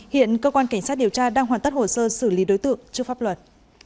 hiện cơ quan cảnh sát điều tra đang hoàn tất hồ sơ xử lý đối tượng trước pháp luật